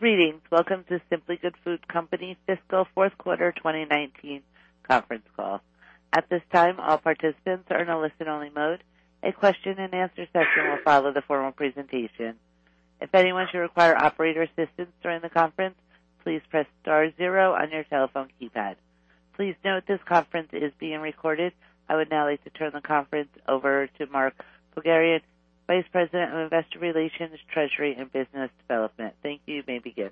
Greetings. Welcome to The Simply Good Foods Company's fiscal fourth quarter 2019 conference call. At this time, all participants are in a listen-only mode. A question and answer session will follow the formal presentation. If anyone should require operator assistance during the conference, please press star zero on your telephone keypad. Please note this conference is being recorded. I would now like to turn the conference over to Mark Pogharian, Vice President of Investor Relations, Treasury, and Business Development. Thank you. You may begin.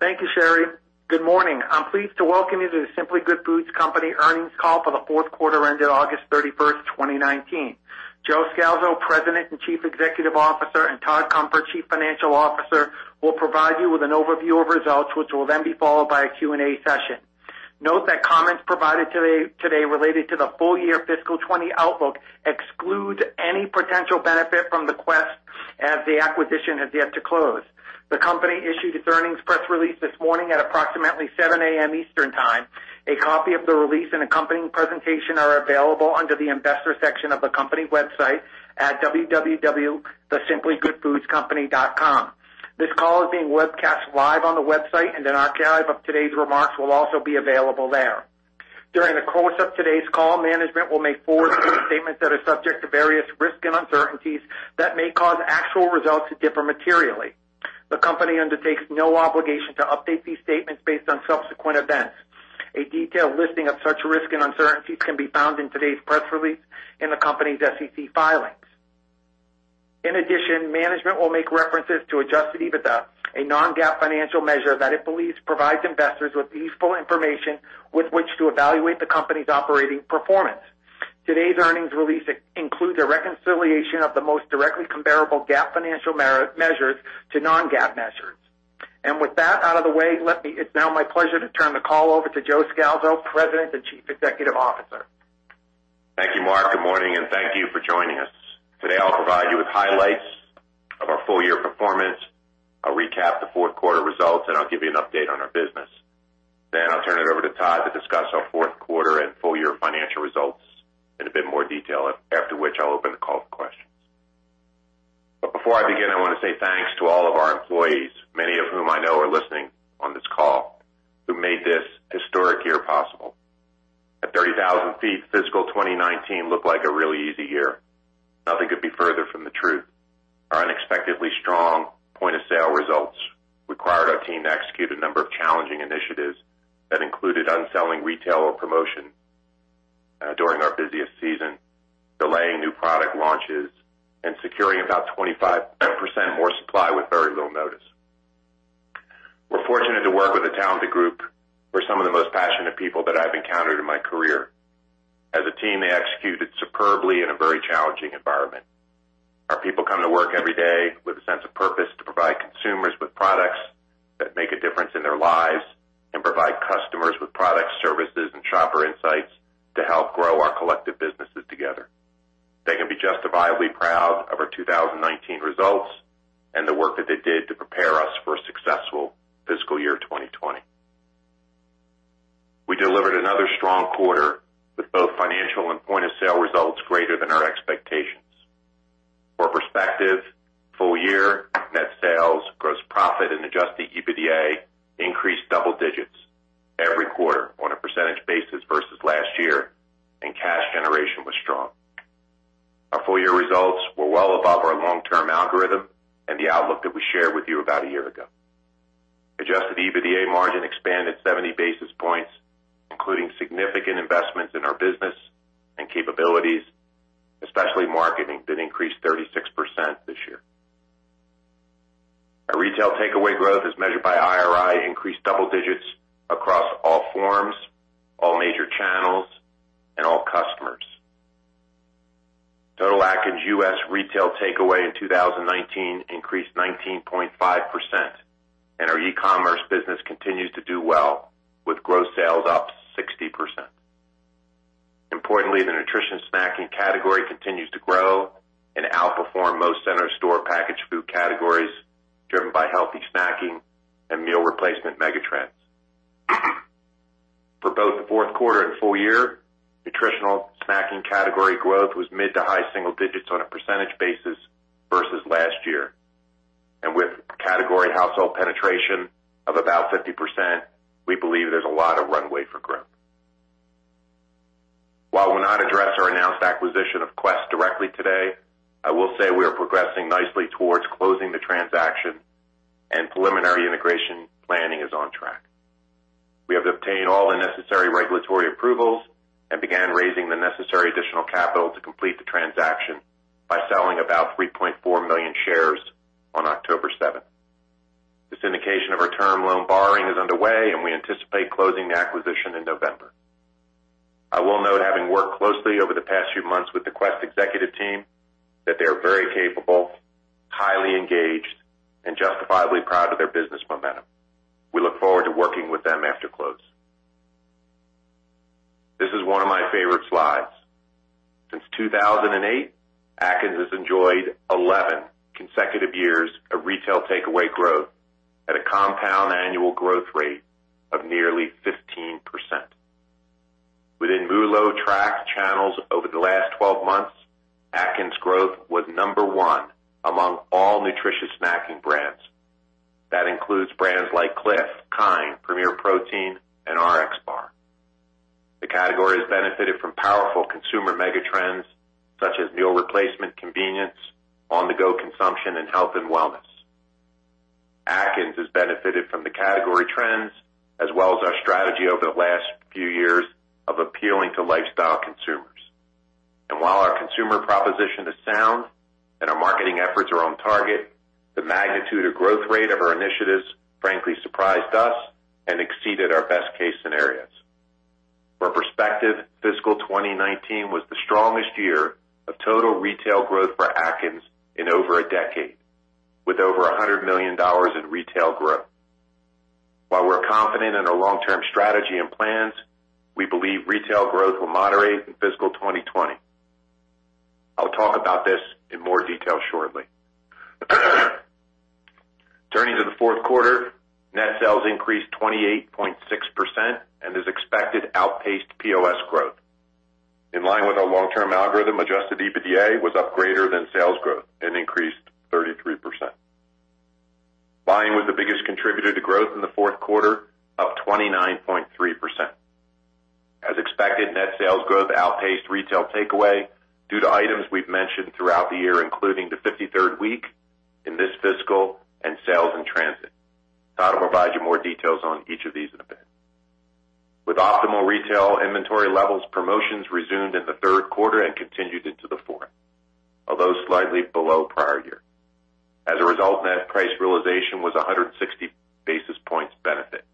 Thank you, Sherry. Good morning. I'm pleased to welcome you to The Simply Good Foods Company earnings call for the fourth quarter ended August 31st, 2019. Joe Scalzo, President and Chief Executive Officer, and Todd Cunfer, Chief Financial Officer, will provide you with an overview of results, which will then be followed by a Q&A session. Note comments provided today related to the full year fiscal 2020 outlook exclude any potential benefit from the Quest as the acquisition has yet to close. The company issued its earnings press release this morning at approximately 7:00 a.m. Eastern Time. A copy of the release and accompanying presentation are available under the investors section of the company website at www.thesimplygoodfoodcompany.com. This call is being webcast live on the website. An archive of today's remarks will also be available there. During the course of today's call, management will make forward-looking statements that are subject to various risks and uncertainties that may cause actual results to differ materially. The company undertakes no obligation to update these statements based on subsequent events. A detailed listing of such risks and uncertainties can be found in today's press release in the company's SEC filings. In addition, management will make references to adjusted EBITDA, a non-GAAP financial measure that it believes provides investors with useful information with which to evaluate the company's operating performance. Today's earnings release includes a reconciliation of the most directly comparable GAAP financial measures to non-GAAP measures. With that out of the way, it's now my pleasure to turn the call over to Joe Scalzo, President and Chief Executive Officer. Thank you, Mark. Good morning, thank you for joining us. Today, I'll provide you with highlights of our full-year performance, I'll recap the fourth quarter results, and I'll give you an update on our business. I'll turn it over to Todd to discuss our fourth quarter and full-year financial results in a bit more detail. After which, I'll open the call for questions. Before I begin, I want to say thanks to all of our employees, many of whom I know are listening on this call, who made this historic year possible. At 30,000 feet, fiscal 2019 looked like a really easy year. Nothing could be further from the truth. Our unexpectedly strong point-of-sale results required our team to execute a number of challenging initiatives that included unselling retail or promotion, during our busiest season, delaying new product launches, and securing about 25% more supply with very little notice. We're fortunate to work with a talented group who are some of the most passionate people that I've encountered in my career. As a team, they executed superbly in a very challenging environment. Our people come to work every day with a sense of purpose to provide consumers with products that make a difference in their lives and provide customers with products, services, and shopper insights to help grow our collective businesses together. They can be justifiably proud of our 2019 results and the work that they did to prepare us for a successful fiscal year 2020. We delivered another strong quarter with both financial and point-of-sale results greater than our expectations. For perspective, full-year net sales, gross profit, and adjusted EBITDA increased double digits every quarter on a percentage basis versus last year, and cash generation was strong. Our full-year results were well above our long-term algorithm and the outlook that we shared with you about a year ago. Adjusted EBITDA margin expanded 70 basis points, including significant investments in our business and capabilities, especially marketing, that increased 36% this year. Our retail takeaway growth, as measured by IRI, increased double digits across all forms, all major channels, and all customers. Total Atkins U.S. retail takeaway in 2019 increased 19.5%, and our e-commerce business continues to do well, with gross sales up 60%. Importantly, the nutrition snacking category continues to grow and outperform most center store packaged food categories, driven by healthy snacking and meal replacement megatrends. For both the fourth quarter and full year, nutritional snacking category growth was mid to high single digits on a percentage basis versus last year. With category household penetration of about 50%, we believe there's a lot of runway for growth. While we'll not address our announced acquisition of Quest directly today, I will say we are progressing nicely towards closing the transaction and preliminary integration planning is on track. We have obtained all the necessary regulatory approvals and began raising the necessary additional capital to complete the transaction by selling about 3.4 million shares on October 7th. The syndication of our term loan borrowing is underway, and we anticipate closing the acquisition in November. I will note, having worked closely over the past few months with the Quest executive team, that they are very capable, highly engaged, and justifiably proud of their business momentum. We look forward to working with them after close. This is one of my favorite slides. Since 2008, Atkins has enjoyed 11 consecutive years of retail takeaway growth at a compound annual growth rate of nearly 15%. Growth was number 1 among all nutritious snacking brands. That includes brands like Clif, KIND, Premier Protein, and RXBAR. The category has benefited from powerful consumer mega trends such as meal replacement convenience, on-the-go consumption, and health and wellness. Atkins has benefited from the category trends as well as our strategy over the last few years of appealing to lifestyle consumers. While our consumer proposition is sound and our marketing efforts are on target, the magnitude of growth rate of our initiatives frankly surprised us and exceeded our best-case scenarios. For perspective, fiscal 2019 was the strongest year of total retail growth for Atkins in over a decade, with over $100 million in retail growth. While we're confident in our long-term strategy and plans, we believe retail growth will moderate in fiscal 2020. I'll talk about this in more detail shortly. Turning to the fourth quarter, net sales increased 28.6% and as expected, outpaced POS growth. In line with our long-term algorithm, adjusted EBITDA was up greater than sales growth and increased 33%. Volume was the biggest contributor to growth in the fourth quarter, up 29.3%. As expected, net sales growth outpaced retail takeaway due to items we've mentioned throughout the year, including the 53rd week in this fiscal and sales in transit. I'll provide you more details on each of these in a bit. With optimal retail inventory levels, promotions resumed in the third quarter and continued into the fourth, although slightly below prior year. As a result, net price realization was 160 basis points benefit.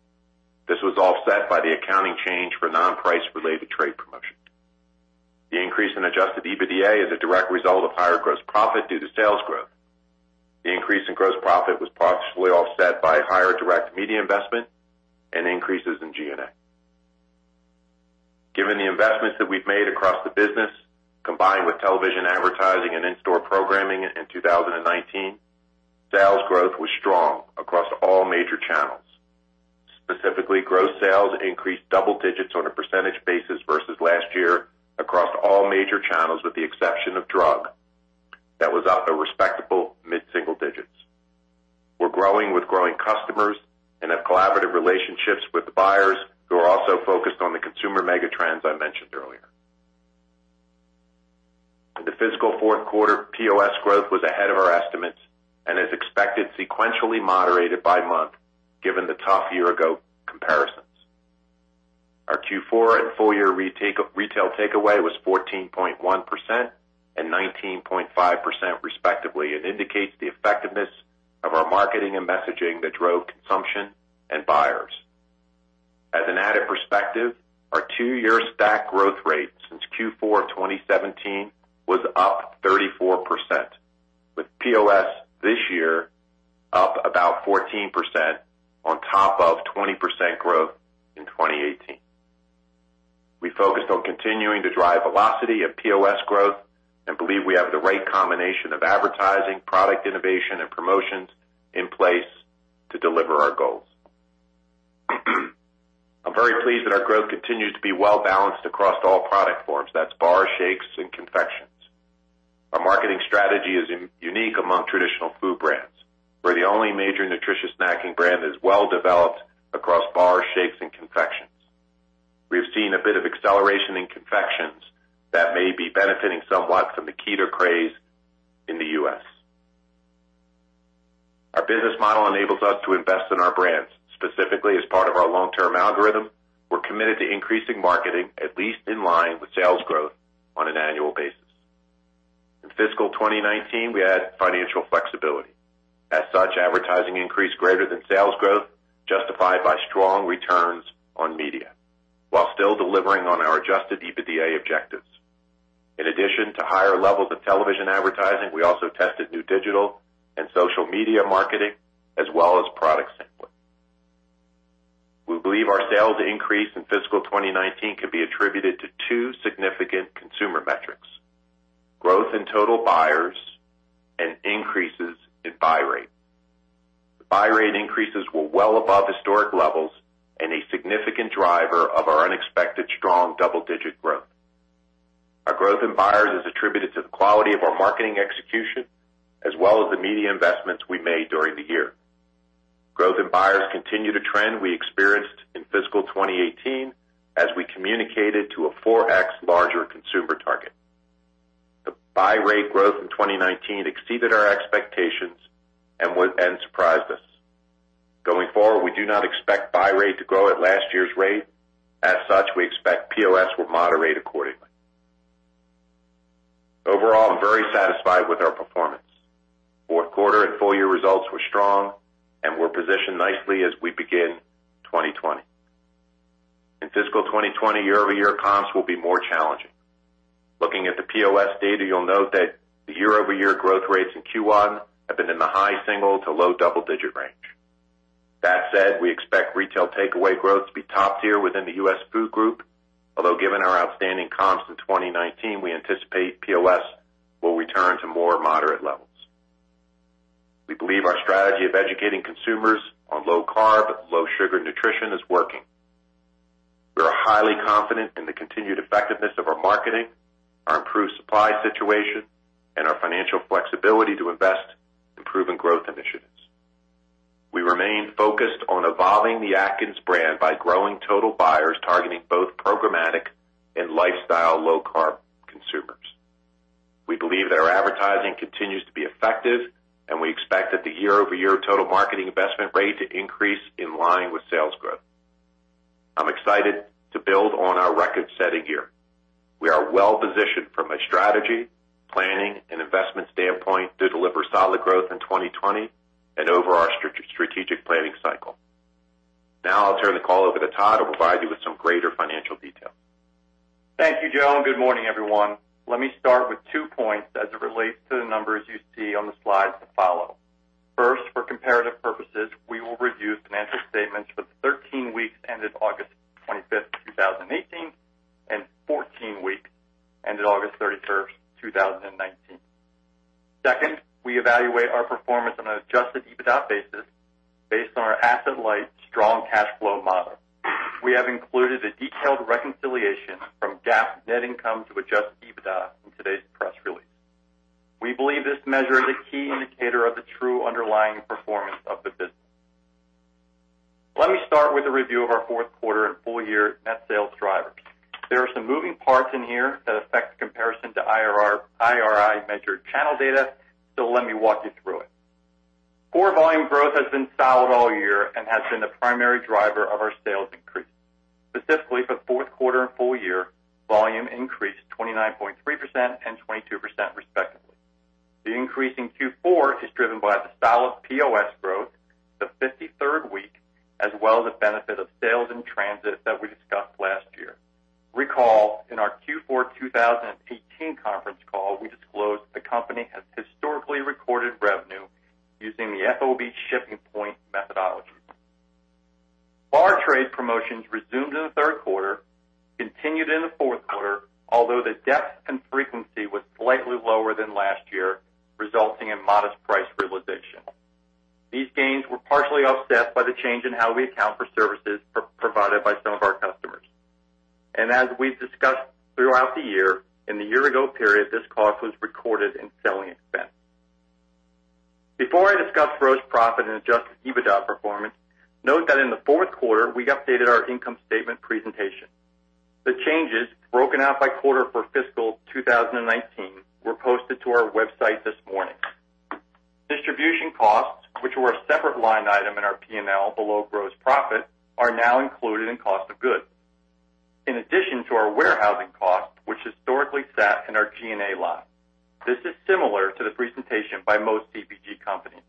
This was offset by the accounting change for non-price-related trade promotions. The increase in adjusted EBITDA is a direct result of higher gross profit due to sales growth. The increase in gross profit was partially offset by higher direct media investment and increases in G&A. Given the investments that we've made across the business, combined with television advertising and in-store programming in 2019, sales growth was strong across all major channels. Specifically, gross sales increased double digits on a percentage basis versus last year across all major channels, with the exception of drug, that was up a respectable mid-single digits. We're growing with growing customers and have collaborative relationships with buyers who are also focused on the consumer mega trends I mentioned earlier. In the fiscal fourth quarter, POS growth was ahead of our estimates and as expected, sequentially moderated by month, given the tough year-ago comparisons. Our Q4 and full-year retail takeaway was 14.1% and 19.5% respectively. It indicates the effectiveness of our marketing and messaging that drove consumption and buyers. As an added perspective, our two-year stack growth rate since Q4 2017 was up 34%, with POS this year up about 14% on top of 20% growth in 2018. We focused on continuing to drive velocity of POS growth and believe we have the right combination of advertising, product innovation, and promotions in place to deliver our goals. I'm very pleased that our growth continues to be well-balanced across all product forms. That's bars, shakes, and confections. Our marketing strategy is unique among traditional food brands. We're the only major nutritious snacking brand that's well developed across bars, shakes, and confections. We've seen a bit of acceleration in confections that may be benefiting somewhat from the keto craze in the U.S. Our business model enables us to invest in our brands. Specifically, as part of our long-term algorithm, we're committed to increasing marketing at least in line with sales growth on an annual basis. In fiscal 2019, we had financial flexibility. As such, advertising increased greater than sales growth, justified by strong returns on media, while still delivering on our adjusted EBITDA objectives. In addition to higher levels of television advertising, we also tested new digital and social media marketing, as well as product sampling. We believe our sales increase in fiscal 2019 can be attributed to two significant consumer metrics, growth in total buyers and increases in buy rate. The buy rate increases were well above historic levels and a significant driver of our unexpected strong double-digit growth. Our growth in buyers is attributed to the quality of our marketing execution, as well as the media investments we made during the year. Growth in buyers continued the trend we experienced in fiscal 2018, as we communicated to a 4x larger consumer target. The buy rate growth in 2019 exceeded our expectations and surprised us. Going forward, we do not expect buy rate to grow at last year's rate. As such, we expect POS will moderate accordingly. Overall, I'm very satisfied with our performance. Fourth quarter and full-year results were strong, and we're positioned nicely as we begin 2020. In fiscal 2020, year-over-year comps will be more challenging. Looking at the POS data, you'll note that the year-over-year growth rates in Q1 have been in the high single to low double-digit range. That said, we expect retail takeaway growth to be top tier within the U.S. food group, although given our outstanding comps in 2019, we anticipate POS will return to more moderate levels. We believe our strategy of educating consumers on low-carb, low-sugar nutrition is working. Confident in the continued effectiveness of our marketing, our improved supply situation, and our financial flexibility to invest in proven growth initiatives. We remain focused on evolving the Atkins brand by growing total buyers, targeting both programmatic and lifestyle low-carb consumers. We believe that our advertising continues to be effective, and we expect that the year-over-year total marketing investment rate to increase in line with sales growth. I'm excited to build on our record-setting year. We are well-positioned from a strategy, planning, and investment standpoint to deliver solid growth in 2020 and over our strategic planning cycle. Now I'll turn the call over to Todd, who will provide you with some greater financial detail. Thank you, Joe, and good morning, everyone. Let me start with two points as it relates to the numbers you see on the slides that follow. First, for comparative purposes, we will review financial statements for the 13 weeks ended August 25th, 2018, and 14 weeks ended August 31st, 2019. Second, we evaluate our performance on an adjusted EBITDA basis based on our asset-light, strong cash flow model. We have included a detailed reconciliation from GAAP net income to adjusted EBITDA in today's press release. We believe this measure is a key indicator of the true underlying performance of the business. Let me start with a review of our fourth quarter and full year net sales drivers. There are some moving parts in here that affect the comparison to IRI-measured channel data, so let me walk you through it. Core volume growth has been solid all year and has been the primary driver of our sales increase. Specifically, for fourth quarter and full year, volume increased 29.3% and 22% respectively. The increase in Q4 is driven by the solid POS growth, the 53rd week, as well as the benefit of sales in transit that we discussed last year. Recall, in our Q4 2018 conference call, we disclosed the company has historically recorded revenue using the FOB shipping point methodology. Bar trade promotions resumed in the third quarter, continued in the fourth quarter, although the depth and frequency was slightly lower than last year, resulting in modest price realization. These gains were partially offset by the change in how we account for services provided by some of our customers. As we've discussed throughout the year, in the year-ago period, this cost was recorded in selling expense. Before I discuss gross profit and adjusted EBITDA performance, note that in the fourth quarter, we updated our income statement presentation. The changes, broken out by quarter for fiscal 2019, were posted to our website this morning. Distribution costs, which were a separate line item in our P&L below gross profit, are now included in cost of goods, in addition to our warehousing costs, which historically sat in our G&A line. This is similar to the presentation by most CPG companies.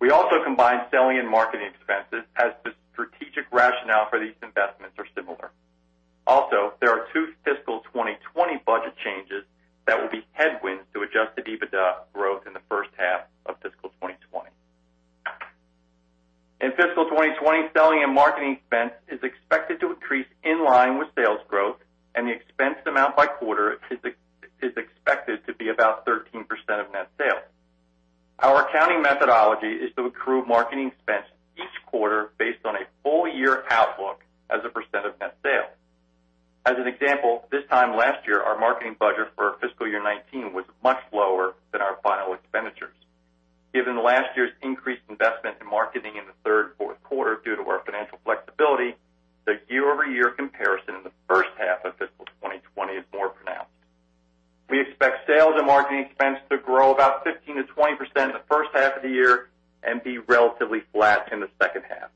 We also combined selling and marketing expenses as the strategic rationale for these investments are similar. There are two fiscal 2020 budget changes that will be headwinds to adjusted EBITDA growth in the first half of fiscal 2020. In fiscal 2020, selling and marketing expense is expected to increase in line with sales growth, and the expense amount by quarter is expected to be about 13% of net sales. Our accounting methodology is to accrue marketing expense each quarter based on a full-year outlook as a percent of net sales. As an example, this time last year, our marketing budget for fiscal year 2019 was much lower than our final expenditures. Given last year's increased investment in marketing in the third and fourth quarter due to our financial flexibility, the year-over-year comparison in the first half of fiscal 2020 is more pronounced. We expect sales and marketing expense to grow about 15%-20% in the first half of the year and be relatively flat in the second half.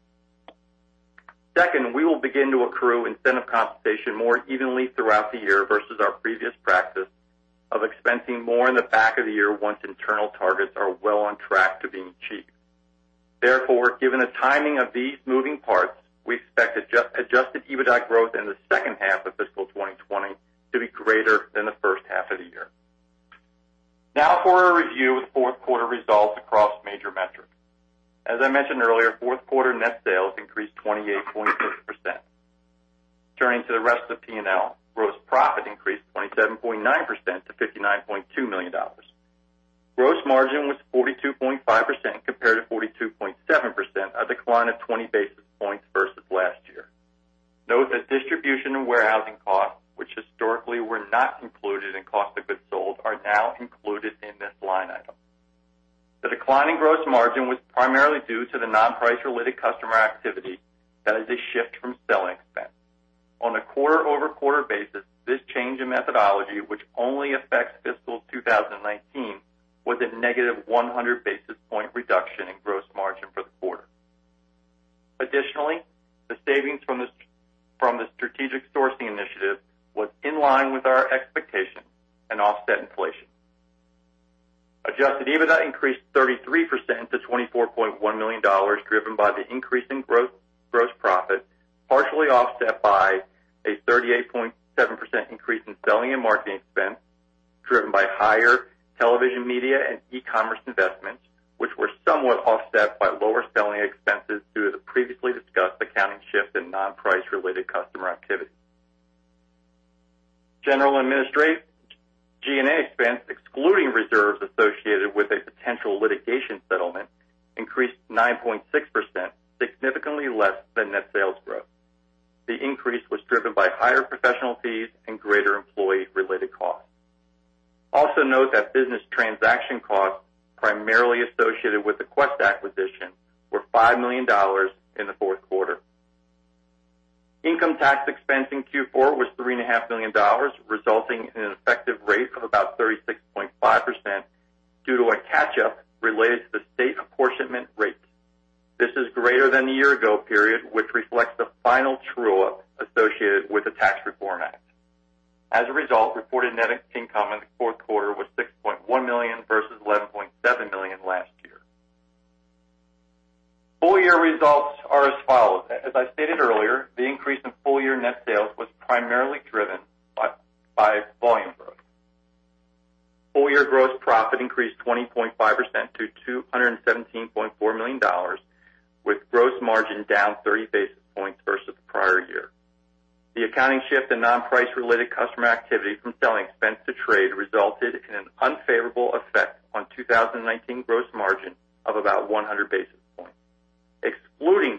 Second, we will begin to accrue incentive compensation more evenly throughout the year versus our previous practice of expensing more in the back of the year once internal targets are well on track to being achieved. Given the timing of these moving parts, we expect adjusted EBITDA growth in the second half of fiscal 2020 to be greater than the first half of the year. For a review of fourth quarter results across major metrics. As I mentioned earlier, fourth quarter net sales increased 28.6%. Turning to the rest of the P&L, gross profit increased 27.9% to $59.2 million. Gross margin was 42.5% compared to 42.7%, a decline of 20 basis points versus last year. Note that distribution and warehousing costs, which historically were not included in cost of goods sold, are now included in this line item. The decline in gross margin was primarily due to the non-price-related customer activity that is a shift from selling expense. On a quarter-over-quarter basis, this change in methodology, which only affects fiscal 2019, was a negative 100 basis point reduction in gross margin for the quarter. Additionally, the savings from the strategic sourcing initiative was in line with our expectations and offset inflation. Adjusted EBITDA increased 33% to $24.1 million, driven by the increase in gross profit, partially offset by a 38.7% increase in selling and marketing expense, driven by higher television, media, and e-commerce investments, which were somewhat offset by lower selling expenses due to the previously discussed accounting shift in non-price related customer activity. General and administrative excluding reserves associated with a potential litigation settlement increased 9.6%, significantly less than net sales growth. The increase was driven by higher professional fees and greater employee-related costs. Also note that business transaction costs, primarily associated with the Quest acquisition, were $5 million in the fourth quarter. Income tax expense in Q4 was $3.5 million, resulting in an effective rate of about 36.5% due to a catch up related to the state apportionment rates. This is greater than the year ago period, which reflects the final true-up associated with the Tax Reform Act. As a result, reported net income in the fourth quarter was $6.1 million versus $11.7 million last year. Full year results are as follows. As I stated earlier, the increase in full year net sales was primarily driven by volume growth. Full year gross profit increased 20.5% to $217.4 million, with gross margin down 30 basis points versus the prior year. The accounting shift in non-price related customer activity from selling expense to trade resulted in an unfavorable effect on 2019 gross margin of about 100 basis points. Excluding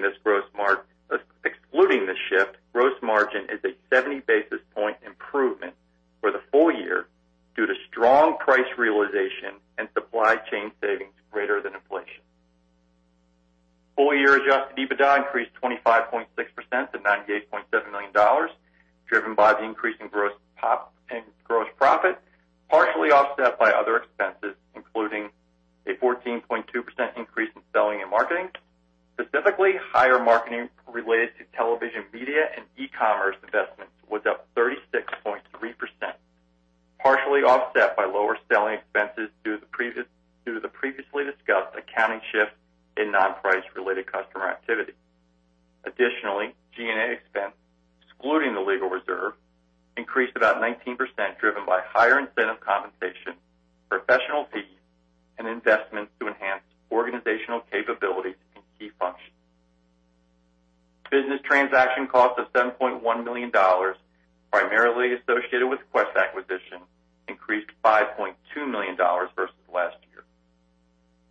the shift, gross margin is a 70 basis point improvement for the full year due to strong price realization and supply chain savings greater than inflation. Full year adjusted EBITDA increased 25.6% to $98.7 million, driven by the increase in gross profit, partially offset by other expenses, including a 14.2% increase in selling and marketing, specifically higher marketing related to television media and e-commerce investments was up 36.3%, partially offset by lower selling expenses due to the previously discussed accounting shift in non-price related customer activity. Additionally, G&A expense, excluding the legal reserve, increased about 19%, driven by higher incentive compensation, professional fees, and investments to enhance organizational capabilities and key functions. Business transaction costs of $7.1 million, primarily associated with Quest acquisition, increased $5.2 million versus last year.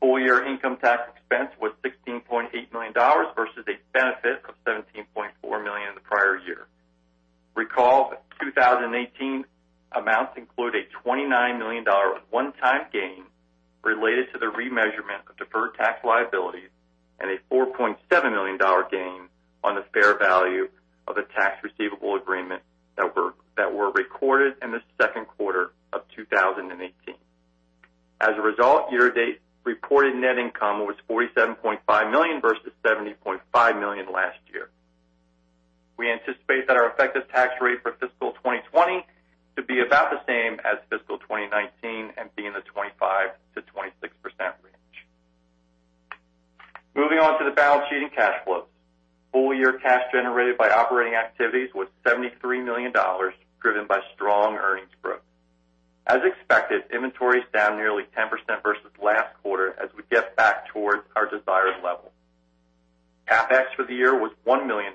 Full year income tax expense was $16.8 million, versus a benefit of $17.4 million in the prior year. Recall that 2018 amounts include a $29 million one-time gain related to the remeasurement of deferred tax liabilities and a $4.7 million gain on the fair value of the tax receivable agreement that were recorded in the second quarter of 2018. As a result, year-to-date reported net income was $47.5 million versus $70.5 million last year. We anticipate that our effective tax rate for fiscal 2020 to be about the same as fiscal 2019 and be in the 25%-26% range. Moving on to the balance sheet and cash flows. Full year cash generated by operating activities was $73 million, driven by strong earnings growth. As expected, inventory is down nearly 10% versus last quarter as we get back towards our desired level. CapEx for the year was $1 million,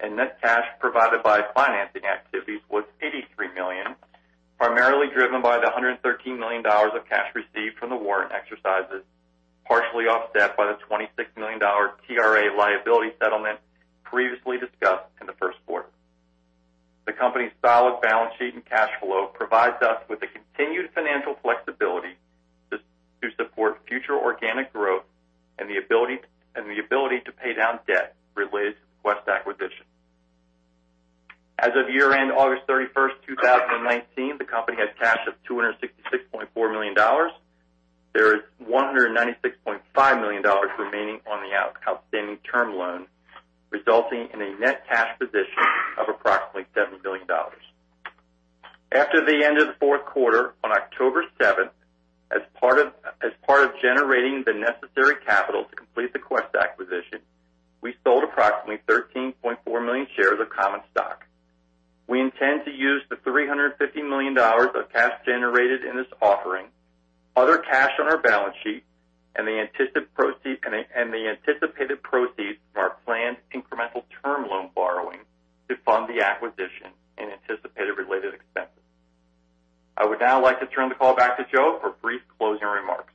and net cash provided by financing activities was $83 million, primarily driven by the $113 million of cash received from the warrant exercises, partially offset by the $26 million TRA liability settlement previously discussed in the first quarter. The company's solid balance sheet and cash flow provides us with the continued financial flexibility to support future organic growth and the ability to pay down debt related to the Quest acquisition. As of year end, August 31, 2019, the company had cash of $266.4 million. There is $196.5 million remaining on the outstanding term loan, resulting in a net cash position of approximately $7 billion. After the end of the fourth quarter, on October 7th, as part of generating the necessary capital to complete the Quest acquisition, we sold approximately 13.4 million shares of common stock. We intend to use the $350 million of cash generated in this offering, other cash on our balance sheet, and the anticipated proceeds from our planned incremental term loan borrowing to fund the acquisition and anticipated related expenses. I would now like to turn the call back to Joe for brief closing remarks.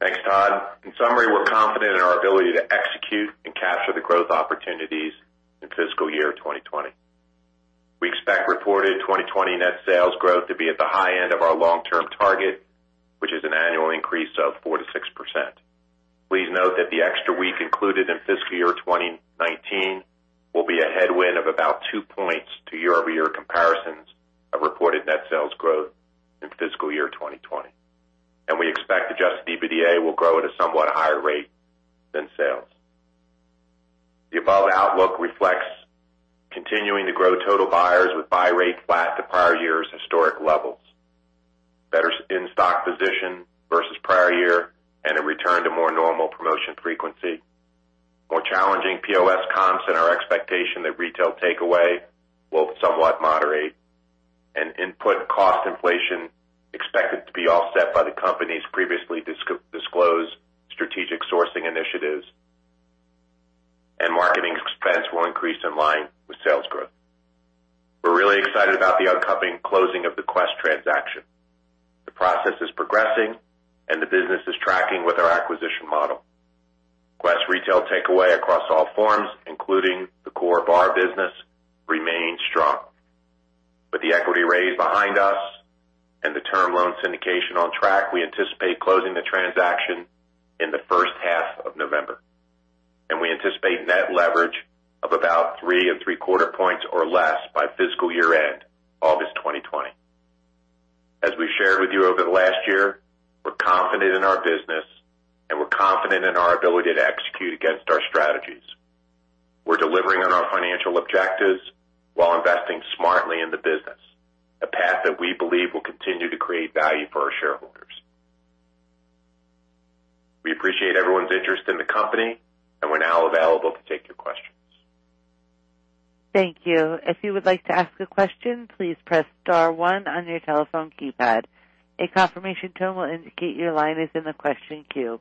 Thanks, Todd. In summary, we're confident in our ability to execute and capture the growth opportunities in fiscal year 2020. We expect reported 2020 net sales growth to be at the high end of our long-term target, which is an annual increase of 4%-6%. Please note that the extra week included in fiscal year 2019 will be a headwind of about two points to year-over-year comparisons of reported net sales growth in fiscal year 2020. We expect adjusted EBITDA will grow at a somewhat higher rate than sales. The above outlook reflects continuing to grow total buyers with buy rate flat to prior year's historic levels, better in-stock position versus prior year and a return to more normal promotion frequency, more challenging POS comps and our expectation that retail takeaway will somewhat moderate, and input cost inflation expected to be offset by the company's previously disclosed strategic sourcing initiatives increase in line with sales growth. We're really excited about the upcoming closing of the Quest transaction. The process is progressing, and the business is tracking with our acquisition model. Quest Retail takeaway across all forms, including the core bar business, remains strong. With the equity raise behind us and the term loan syndication on track, we anticipate closing the transaction in the first half of November, and we anticipate net leverage of about three and three-quarter points or less by fiscal year-end, August 2020. As we shared with you over the last year, we're confident in our business and we're confident in our ability to execute against our strategies. We're delivering on our financial objectives while investing smartly in the business, a path that we believe will continue to create value for our shareholders. We appreciate everyone's interest in the company and we're now available to take your questions. Thank you. If you would like to ask a question, please press star one on your telephone keypad. A confirmation tone will indicate your line is in the question queue.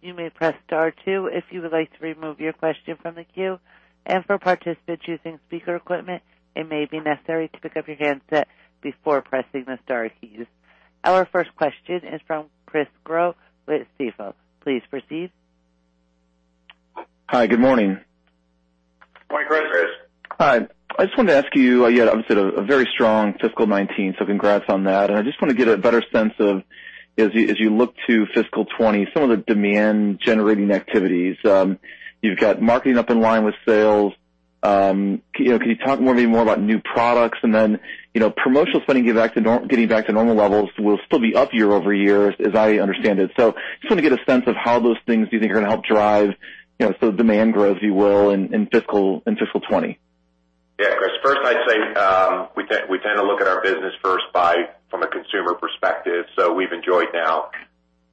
You may press star two if you would like to remove your question from the queue. For participants using speaker equipment, it may be necessary to pick up your handset before pressing the star keys. Our first question is from Chris Growe with Stifel. Please proceed. Hi, good morning. Morning, Chris. Hi. I just wanted to ask you had, obviously, a very strong fiscal 2019. Congrats on that. I just want to get a better sense of, as you look to fiscal 2020, some of the demand-generating activities. You've got marketing up in line with sales. Can you talk maybe more about new products? Promotional spending getting back to normal levels will still be up year-over-year, as I understand it. Just want to get a sense of how those things do you think are going to help drive demand growth, if you will, in fiscal 2020. Yeah, Chris. First, I'd say, we tend to look at our business first from a consumer perspective. We've enjoyed now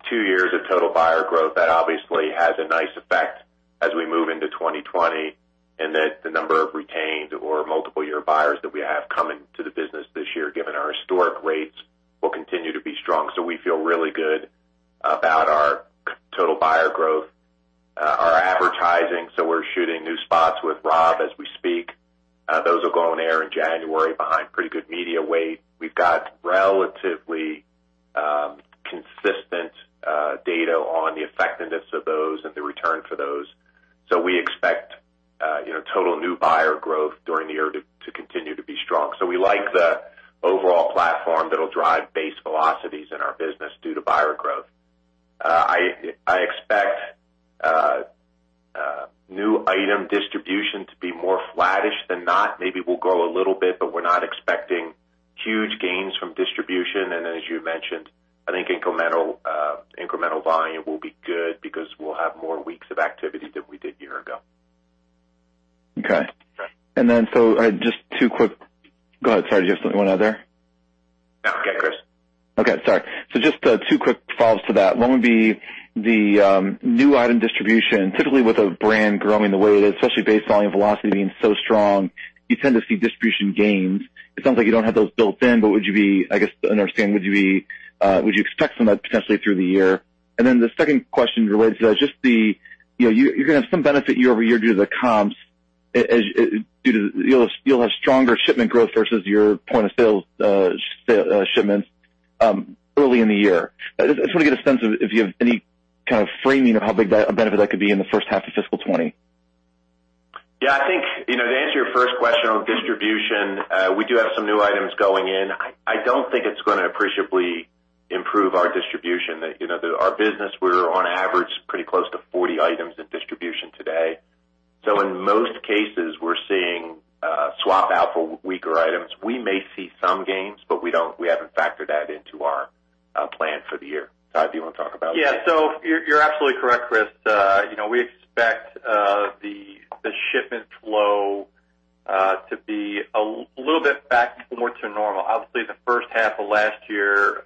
two years of total buyer growth. That obviously has a nice effect as we move into 2020, and that the number of retained or multiple year buyers that we have coming to the business this year, given our historic rates, will continue to be strong. We feel really good about our total buyer growth. Our advertising, so we're shooting new spots with Rob as we speak. Those will go on air in January behind pretty good media weight. We've got relatively consistent data on the effectiveness of those and the return for those. We expect total new buyer growth during the year to continue to be strong. We like the overall platform that'll drive base velocities in our business due to buyer growth. I expect new item distribution to be more flattish than not. Maybe we'll grow a little bit, but we're not expecting huge gains from distribution. As you mentioned, I think incremental volume will be good because we'll have more weeks of activity than we did a year ago. Okay. Go ahead. Sorry. Do you have one other? No. Go ahead, Chris. Just two quick follows to that. One would be the new item distribution. Typically, with a brand growing the way it is, especially base volume velocity being so strong, you tend to see distribution gains. It sounds like you don't have those built in, but would you be, I guess, to understand, would you expect some of that potentially through the year? The second question relates to that, you're going to have some benefit year-over-year due to the comps. You'll have stronger shipment growth versus your point of sales shipments early in the year. I just want to get a sense of if you have any kind of framing of how big a benefit that could be in the first half of fiscal 2020. Yeah, I think to answer your first question on distribution, we do have some new items going in. I don't think it's going to appreciably improve our distribution. Our business, we're on average pretty close to 40 items in distribution today. In most cases, we're seeing swap out for weaker items. We may see some gains, but we haven't factored that into our plan for the year. Todd, do you want to talk about it? You're absolutely correct, Chris. We expect the shipment flow to be a little bit back more to normal. Obviously, the first half of last year,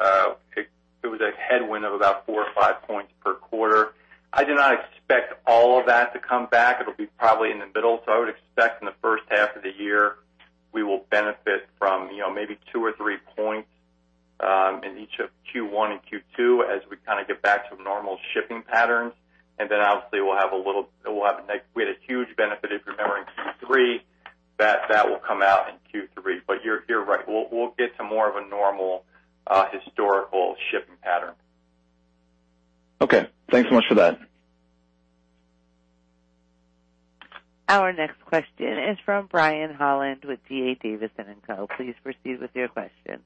it was a headwind of about four or five points per quarter. I do not expect all of that to come back. It'll be probably in the middle. I would expect in the first half of the year, we will benefit from maybe two or three points in each of Q1 and Q2 as we kind of get back to normal shipping patterns. Obviously we had a huge benefit, if you remember, in Q3. That will come out in Q3. You're right. We'll get to more of a normal historical shipping pattern. Okay. Thanks so much for that. Our next question is from Brian Holland with D.A. Davidson & Co. Please proceed with your question.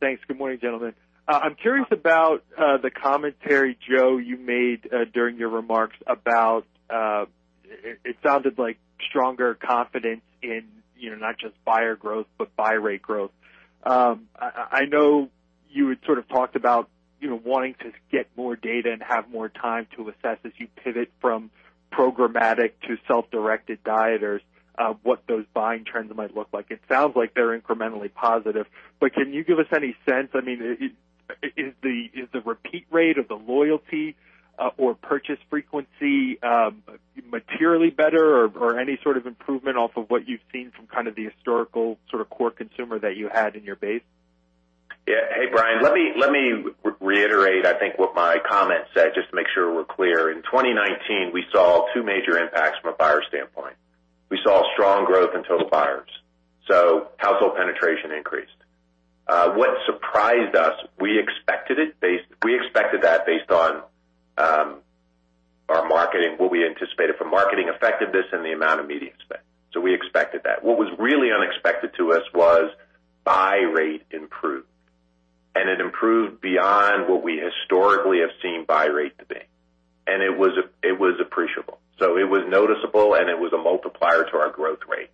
Thanks. Good morning, gentlemen. I'm curious about the commentary, Joe, you made during your remarks about It sounded like stronger confidence in not just buyer growth, but buy rate growth. I know you had sort of talked about wanting to get more data and have more time to assess as you pivot from programmatic to self-directed dieters, what those buying trends might look like. It sounds like they're incrementally positive, but can you give us any sense? Is the repeat rate of the loyalty or purchase frequency materially better or any sort of improvement off of what you've seen from kind of the historical sort of core consumer that you had in your base? Yeah. Hey, Brian, let me reiterate, I think what my comment said, just to make sure we're clear. In 2019, we saw two major impacts from a buyer standpoint. We saw strong growth in total buyers, so household penetration increased. What surprised us, we expected that based on our marketing, what we anticipated from marketing effectiveness and the amount of media spent. We expected that. What was really unexpected to us was buy rate improved, and it improved beyond what we historically have seen buy rate to be. It was appreciable. It was noticeable, and it was a multiplier to our growth rate.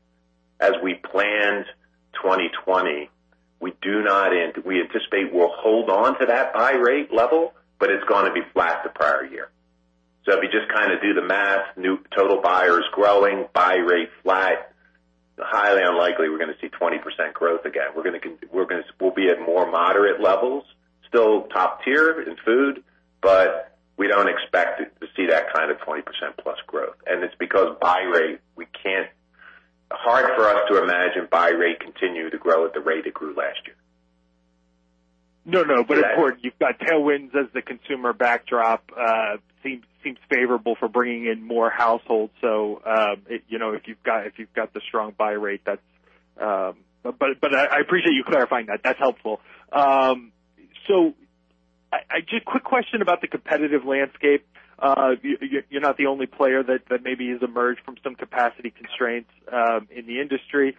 As we planned 2020, we anticipate we'll hold on to that buy rate level, but it's going to be flat to prior year. If you just do the math, new total buyers growing, buy rate flat, highly unlikely we're going to see 20% growth again. We'll be at more moderate levels, still top tier in food, but we don't expect to see that kind of 20% plus growth. It's because buy rate, hard for us to imagine buy rate continue to grow at the rate it grew last year. No, of course, you've got tailwinds as the consumer backdrop seems favorable for bringing in more households. I appreciate you clarifying that. That's helpful. Actually, quick question about the competitive landscape. You're not the only player that maybe has emerged from some capacity constraints in the industry.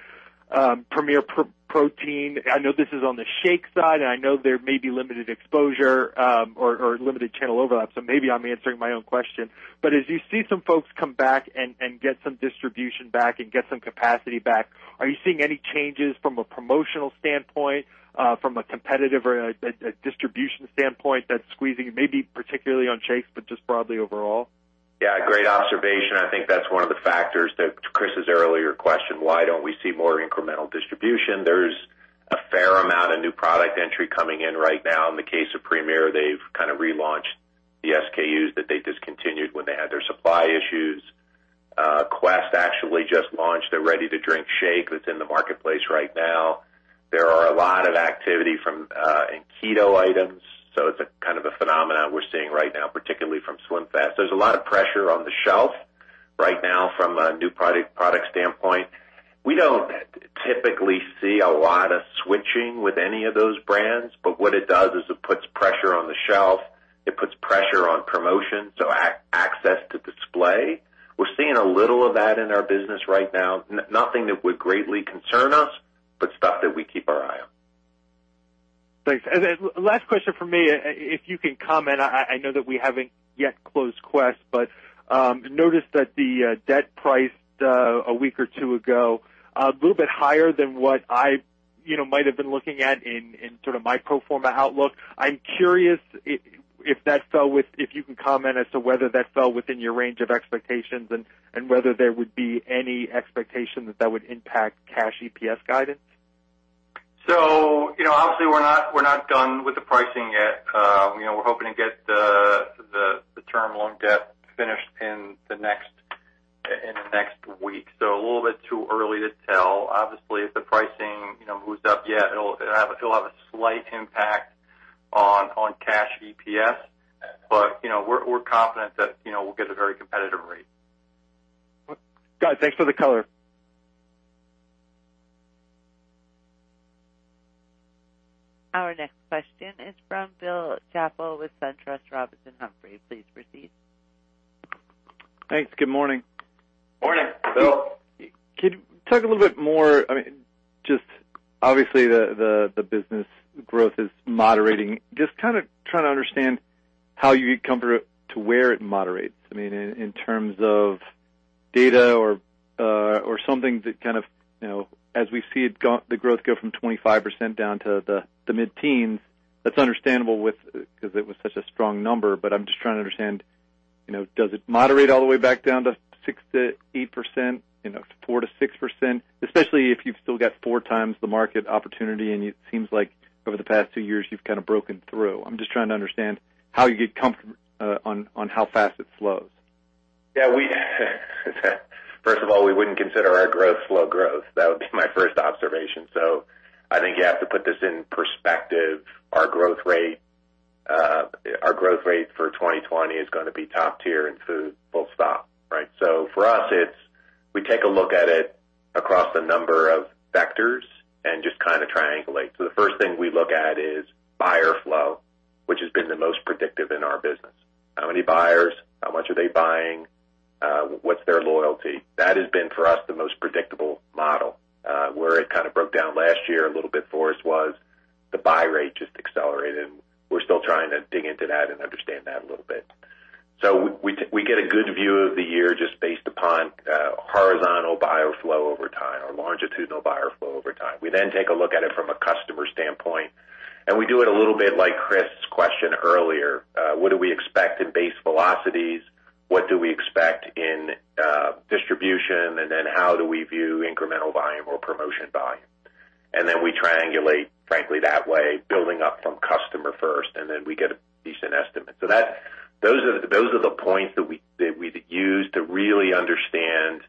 Premier Protein, I know this is on the shake side, I know there may be limited exposure or limited channel overlap, maybe I'm answering my own question. As you see some folks come back and get some distribution back and get some capacity back, are you seeing any changes from a promotional standpoint, from a competitive or a distribution standpoint that's squeezing, maybe particularly on shakes, but just broadly overall? Yeah, great observation. I think that's one of the factors to Chris's earlier question, why don't we see more incremental distribution? There's a fair amount of new product entry coming in right now. In the case of Premier, they've kind of relaunched the SKUs that they discontinued when they had their supply issues. Quest actually just launched their ready-to-drink shake that's in the marketplace right now. There are a lot of activity in keto items, so it's a kind of a phenomenon we're seeing right now, particularly from SlimFast. There's a lot of pressure on the shelf right now from a new product standpoint. We don't typically see a lot of switching with any of those brands, but what it does is it puts pressure on the shelf, it puts pressure on promotion, so access to display. We're seeing a little of that in our business right now. Nothing that would greatly concern us, but stuff that we keep our eye on. Thanks. Then last question from me, if you can comment, I know that we haven't yet closed Quest, but noticed that the debt priced a week or two ago, a little bit higher than what I might have been looking at in sort of my pro forma outlook. I'm curious if you can comment as to whether that fell within your range of expectations and whether there would be any expectation that that would impact cash EPS guidance. Obviously, we're not done with the pricing yet. We're hoping to get the term loan debt finished in the next week. A little bit too early to tell. Obviously, if the pricing moves up yet, it'll have a slight impact on cash EPS. We're confident that we'll get a very competitive rate. Got it. Thanks for the color. Our next question is from Bill Chappell with SunTrust Robinson Humphrey. Please proceed. Thanks. Good morning. Morning, Bill. Could you talk a little bit more, just obviously the business growth is moderating. Just kind of trying to understand how you get comfortable to where it moderates, I mean, in terms of data or something that kind of, as we see the growth go from 25% down to the mid-teens, that's understandable because it was such a strong number. I'm just trying to understand, does it moderate all the way back down to 6%-8%? 4%-6%? Especially if you've still got 4x the market opportunity, and it seems like over the past two years, you've kind of broken through. I'm just trying to understand how you get comfortable on how fast it slows. Yeah. First of all, we wouldn't consider our growth slow growth. That would be my first observation. I think you have to put this in perspective. Our growth rate for 2020 is going to be top tier in food, full stop. Right. For us, we take a look at it across a number of vectors and just kind of triangulate. The first thing we look at is buyer flow, which has been the most predictive in our business. How many buyers, how much are they buying? What's their loyalty? That has been, for us, the most predictable model. Where it kind of broke down last year a little bit for us was the buy rate just accelerated, and we're still trying to dig into that and understand that a little bit. We get a good view of the year just based upon horizontal buyer flow over time or longitudinal buyer flow over time. We then take a look at it from a customer standpoint. We do it a little bit like Chris's question earlier. What do we expect in base velocities? What do we expect in distribution? How do we view incremental volume or promotion volume? We triangulate, frankly, that way, building up from customer first, and then we get a decent estimate. Those are the points that we use to really understand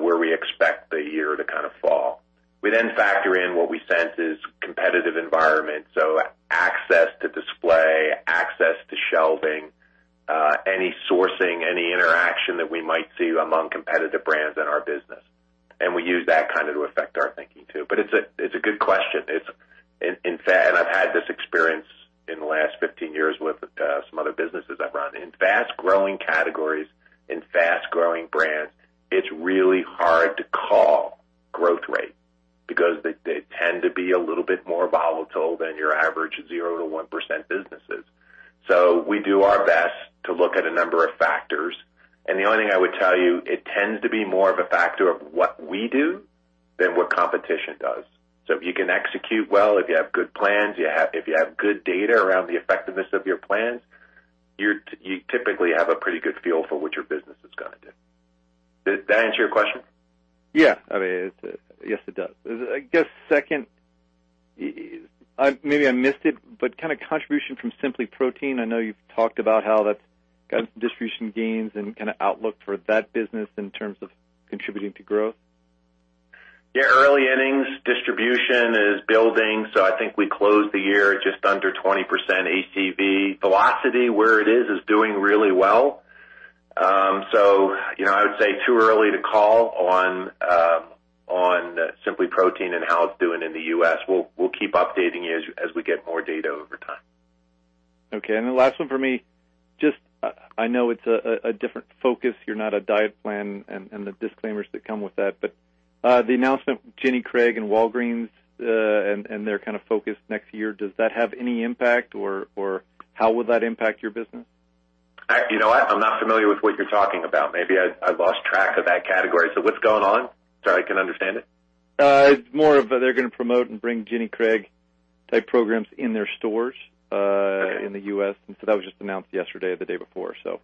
where we expect the year to kind of fall. We then factor in what we sense is competitive environment, so access to display, access to shelving, any sourcing, any interaction that we might see among competitive brands in our business. We use that to affect our thinking too. It's a good question. In fact, I've had this experience in the last 15 years with some other businesses I've run. In fast-growing categories and fast-growing brands, it's really hard to call growth rate because they tend to be a little bit more volatile than your average 0%-1% businesses. We do our best to look at a number of factors, and the only thing I would tell you, it tends to be more of a factor of what we do than what competition does. If you can execute well, if you have good plans, if you have good data around the effectiveness of your plans, you typically have a pretty good feel for what your business is going to do. Did that answer your question? Yeah. Yes, it does. I guess second, maybe I missed it, but contribution from SimplyProtein. I know you've talked about how that's got some distribution gains and outlook for that business in terms of contributing to growth. Early innings distribution is building. I think we closed the year at just under 20% ACV. Velocity, where it is doing really well. I would say too early to call on SimplyProtein and how it's doing in the U.S. We'll keep updating you as we get more data over time. The last one for me. I know it's a different focus. You're not a diet plan and the disclaimers that come with that, but the announcement with Jenny Craig and Walgreens, and their kind of focus next year, does that have any impact or how would that impact your business? You know what? I'm not familiar with what you're talking about. Maybe I lost track of that category. What's going on so I can understand it? It's more of they're going to promote and bring Jenny Craig-type programs in their stores. Okay in the U.S. That was just announced yesterday or the day before. Yeah,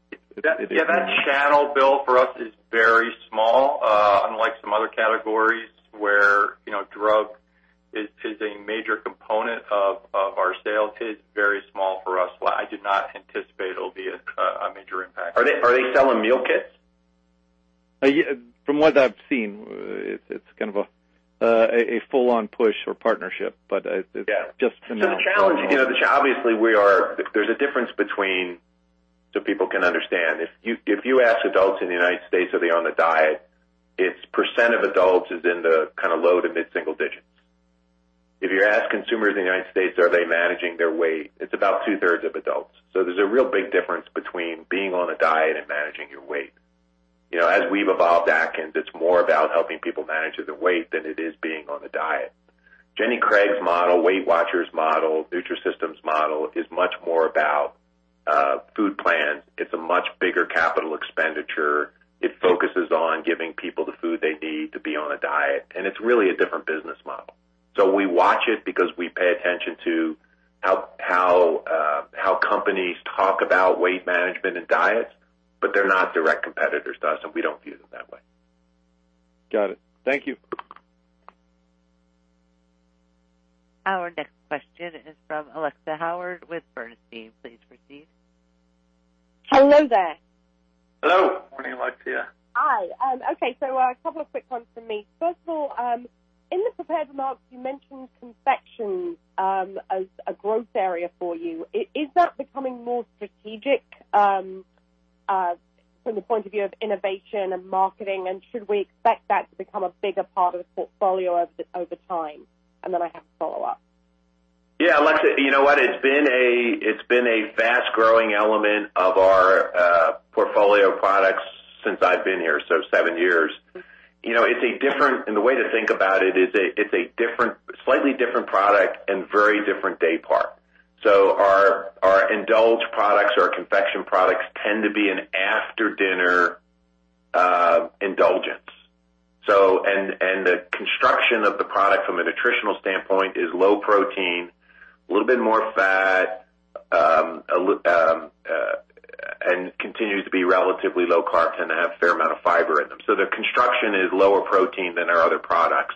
that channel, Bill, for us is very small. Unlike some other categories where drug is a major component of our sales, it's very small for us. I do not anticipate it'll be a major impact. Are they selling meal kits? From what I've seen, it's kind of a full-on push or partnership. Yeah to know. The challenge, obviously there's a difference between So people can understand. If you ask adults in the U.S., are they on a diet, its percent of adults is in the low to mid-single digits. If you ask consumers in the U.S., are they managing their weight, it's about two-thirds of adults. There's a real big difference between being on a diet and managing your weight. As we've evolved Atkins, it's more about helping people manage their weight than it is being on a diet. Jenny Craig's model, Weight Watchers model, Nutrisystem's model is much more about food plans. It's a much bigger CapEx. It focuses on giving people the food they need to be on a diet, and it's really a different business model. We watch it because we pay attention to how companies talk about weight management and diets, but they're not direct competitors to us, so we don't view them that way. Got it. Thank you. Our next question is from Alexia Howard with Bernstein. Please proceed. Hello there. Hello. Morning, Alexia. Hi. Okay. A couple of quick ones from me. First of all, in the prepared remarks, you mentioned confections as a growth area for you. Is that becoming more strategic from the point of view of innovation and marketing, and should we expect that to become a bigger part of the portfolio over time? I have a follow-up. Yeah, Alexia, you know what? It's been a fast-growing element of our portfolio of products since I've been here, so seven years. The way to think about it is it's a slightly different product and very different day part. Our indulge products, our confection products tend to be an after-dinner indulgence. The construction of the product from a nutritional standpoint is low protein, a little bit more fat, and continues to be relatively low carb, tend to have a fair amount of fiber in them. The construction is lower protein than our other products.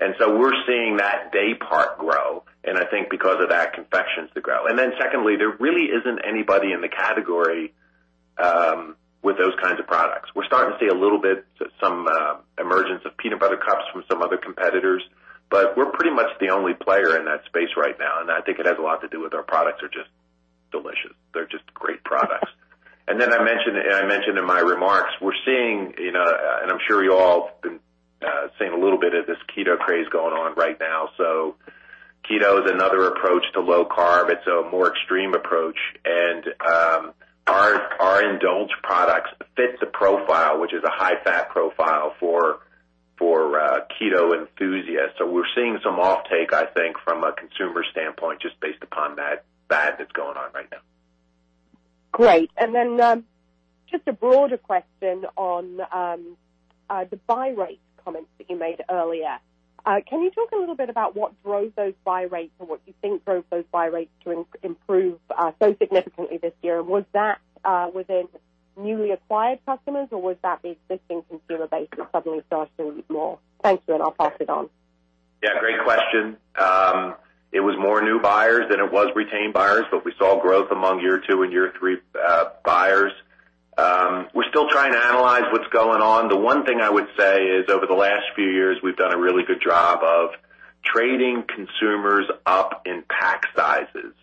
We're seeing that day part grow, and I think because of that, confections to grow. Secondly, there really isn't anybody in the category with those kinds of products. We're starting to see a little bit, some emergence of peanut butter cups from some other competitors, but we're pretty much the only player in that space right now, and I think it has a lot to do with our products are just delicious. They're just great products. I mentioned in my remarks, we're seeing, and I'm sure you all have been seeing a little bit of this keto craze going on right now. Keto is another approach to low carb. It's a more extreme approach, and our indulge products fit the profile, which is a high-fat profile for keto enthusiasts. We're seeing some offtake, I think, from a consumer standpoint, just based upon that fad that's going on right now. Great. Just a broader question on the buy rate comments that you made earlier. Can you talk a little bit about what drove those buy rates or what you think drove those buy rates to improve so significantly this year? Was that within newly acquired customers, or was that the existing consumer base that suddenly started to eat more? Thank you, and I'll pass it on. Great question. It was more new buyers than it was retained buyers. We saw growth among year 2 and year 3 buyers. We're still trying to analyze what's going on. The one thing I would say is over the last few years, we've done a really good job of trading consumers up in pack sizes.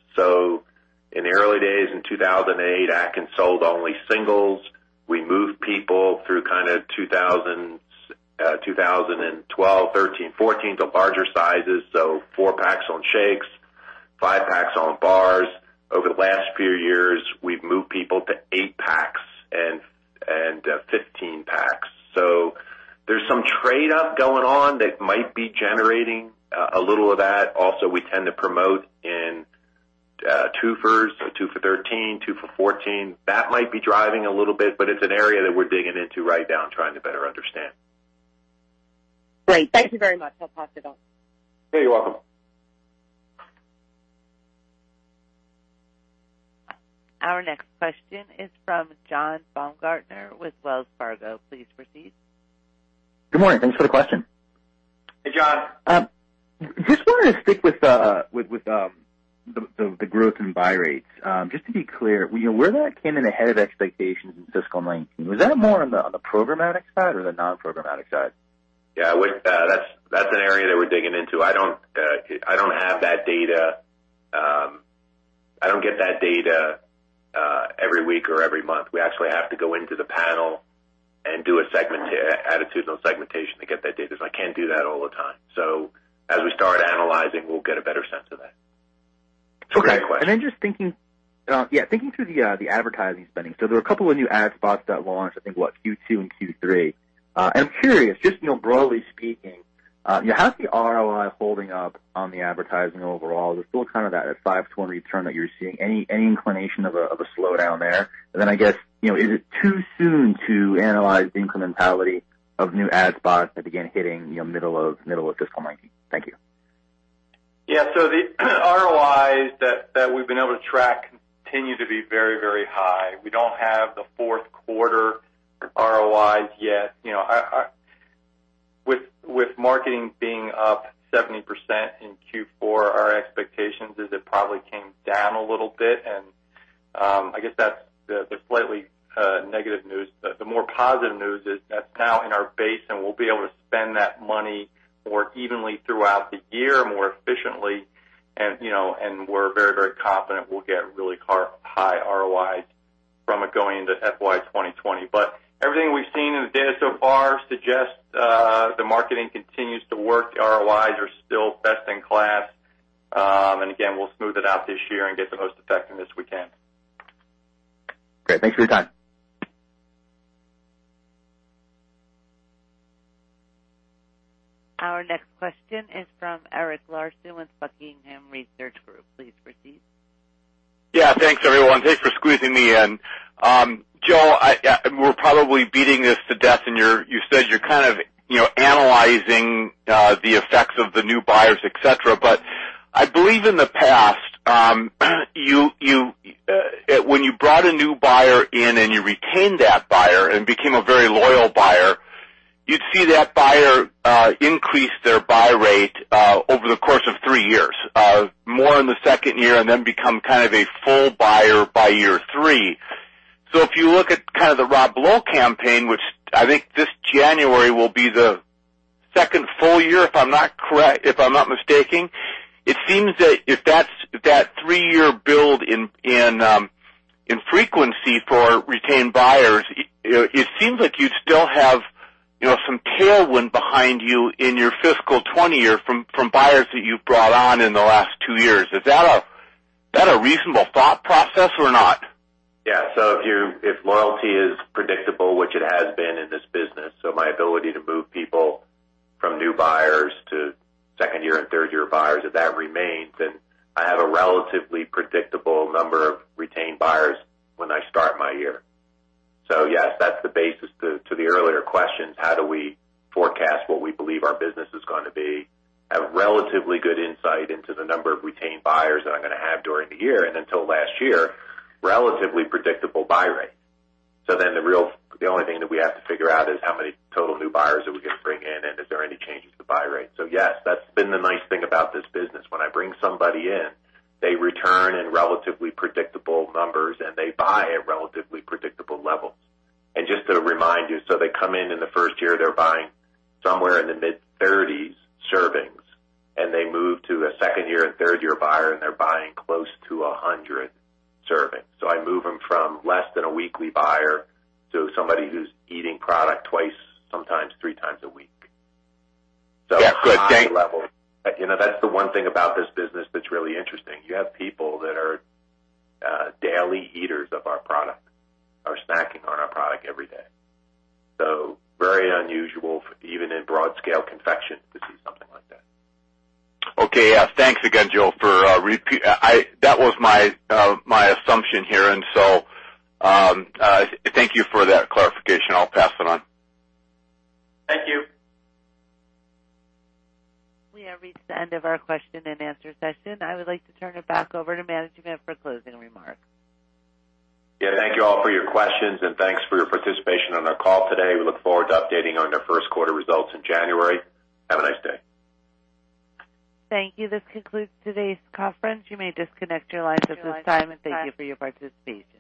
In the early days in 2008, Atkins sold only singles. We moved people through 2012, 2013, 2014, to larger sizes: four packs on shakes, five packs on bars. Over the last few years, we've moved people to eight packs and 15 packs. There's some trade-up going on that might be generating a little of that. Also, we tend to promote in two-fers: two for $13, two for $14. That might be driving a little bit, but it's an area that we're digging into right now and trying to better understand. Great. Thank you very much. I'll pass it on. You're welcome. Our next question is from John Baumgartner with Wells Fargo. Please proceed. Good morning. Thanks for the question. Hey, John. Just wanted to stick with the growth in buy rates. Just to be clear, where that came in ahead of expectations in fiscal 2019, was that more on the programmatic side or the non-programmatic side? Yeah, that's an area that we're digging into. I don't get that data every week or every month. We actually have to go into the panel and do attitudinal segmentation to get that data, so I can't do that all the time. As we start analyzing, we'll get a better sense of that. Great question. Okay. Just thinking through the advertising spending, there were a couple of new ad spots that launched, I think, what, Q2 and Q3. I'm curious, just broadly speaking, how's the ROI holding up on the advertising overall? Is it still that 5 to 1 return that you're seeing? Any inclination of a slowdown there? I guess, is it too soon to analyze the incrementality of new ad spots that began hitting middle of fiscal 2019? Thank you. Yeah. The ROIs that we've been able to track continue to be very high. We don't have the fourth quarter ROIs yet. With marketing being up 70% in Q4, our expectations is it probably came down a little bit, and I guess that's the slightly negative news. The more positive news is that's now in our base, and we'll be able to spend that money more evenly throughout the year more efficiently. We're very confident we'll get really high ROIs from it going into FY 2020. Everything we've seen in the data so far suggests the marketing continues to work. The ROIs are still best in class. Again, we'll smooth it out this year and get the most effectiveness we can. Great. Thanks for your time. Our next question is from Eric Larson with Buckingham Research Group. Please proceed. Yeah, thanks, everyone. Thanks for squeezing me in. Joe, we're probably beating this to death, and you said you're analyzing the effects of the new buyers, et cetera. I believe in the past, when you brought a new buyer in and you retained that buyer and became a very loyal buyer, you'd see that buyer increase their buy rate over the course of three years, more in the second year, and then become a full buyer by year three. If you look at the Rob Lowe campaign, which I think this January will be the second full year, if I'm not mistaken. It seems that if that three-year build in frequency for retained buyers, it seems like you'd still have some tailwind behind you in your fiscal 2020 year from buyers that you've brought on in the last two years. Is that a reasonable thought process or not? Yeah. If loyalty is predictable, which it has been in this business, so my ability to move people from new buyers to second-year and third-year buyers, if that remains, then I have a relatively predictable number of retained buyers when I start my year. Yes, that's the basis to the earlier questions, how do we forecast what we believe our business is going to be, have relatively good insight into the number of retained buyers that I'm going to have during the year, and until last year, relatively predictable buy rate. The only thing that we have to figure out is how many total new buyers are we going to bring in, and is there any changes to buy rate? Yes, that's been the nice thing about this business. When I bring somebody in, they return in relatively predictable numbers, and they buy at relatively predictable levels. Just to remind you, they come in in the first year, they're buying somewhere in the mid-30s servings, and they move to a second-year and third-year buyer, and they're buying close to 100 servings. I move them from less than a weekly buyer to somebody who's eating product twice, sometimes three times a week. Yeah. Good. High levels. That's the one thing about this business that's really interesting. You have people that are daily eaters of our product, are snacking on our product every day. Very unusual, even in broad-scale confection, to see something like that. Okay. Yeah. Thanks again, Joe. That was my assumption here, and so thank you for that clarification. I'll pass it on. Thank you. We have reached the end of our question and answer session. I would like to turn it back over to management for closing remarks. Yeah. Thank you all for your questions, and thanks for your participation on our call today. We look forward to updating on our first quarter results in January. Have a nice day. Thank you. This concludes today's conference. You may disconnect your lines at this time, and thank you for your participation.